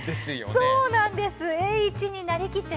そうなんです。